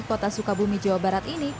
kota sukabumi jawa barat ini